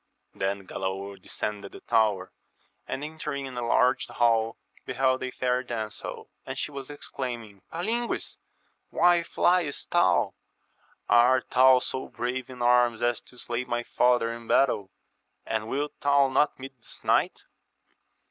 Then Galaor descended the tower, and entering a large hall beheld a fair damsel, and she was exclaiming, Palingues ! why flyest thou ? art thou so brave in arms as to slay my father in battle, and wilt thou not meet this knight?